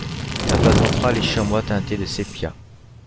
Sa face ventrale est chamois teinté de sépia.